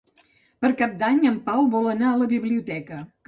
Per Cap d'Any en Pau vol anar a la biblioteca.